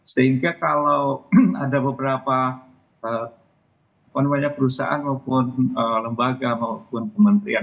sehingga kalau ada beberapa perusahaan maupun lembaga maupun kementerian